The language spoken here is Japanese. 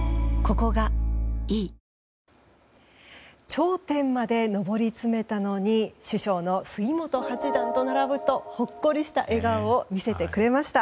頂点まで上り詰めたのに師匠の杉本八段と並ぶとほっこりした笑顔を見せてくれました。